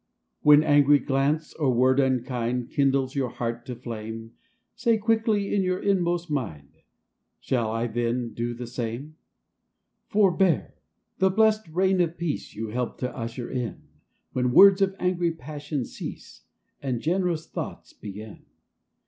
When angry glance or word unkind .Kindles your heart to flame Say quickly in your inmost mind, " Shall I then do the same?" Forbear! the blessed reign of Peace You help to usher in, When words of angry passion cease, And generous thoughts begin.